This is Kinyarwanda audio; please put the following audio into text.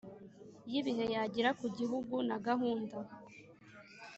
y ibihe yagira ku gihugu na gahunda